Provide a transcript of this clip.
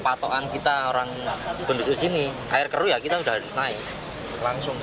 patokan kita orang bunda dusun ini air keruh ya kita sudah naik